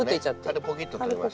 軽くポキッととれます。